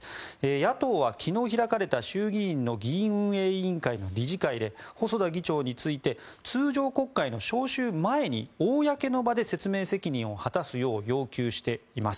野党は昨日開かれた衆議院の議院運営委員会の理事会で細田議長について通常国会の召集前に公の場で説明責任を果たすよう要求しています。